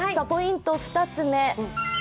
ポイント２つ目。